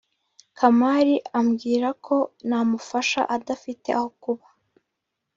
Kamari ambwira ko namufasha adafite aho kuba.